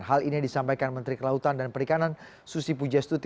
hal ini disampaikan menteri kelautan dan perikanan susi pujastuti